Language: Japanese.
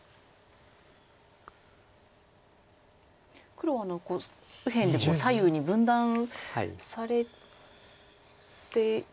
黒は右辺で左右に分断されて。